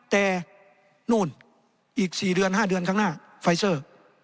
แต่นู่นอีก๔เดือน๕เดือนข้างหน้าไฟเซอร์